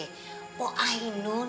udah kagak ada yang ngomong